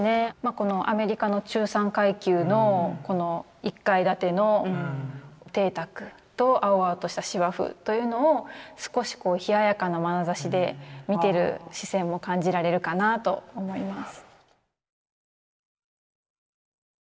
このアメリカの中産階級のこの１階建ての邸宅と青々とした芝生というのを少しこう冷ややかなまなざしで見てる視線も感じられるかなと思います。